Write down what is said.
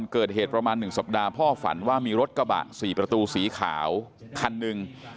เกิดเหตุประมาณ๑สัปดาห์พ่อฝันว่ามีรถกระบะ๔ประตูสีขาวคันหนึ่ง